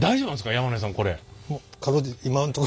山根さんこれ。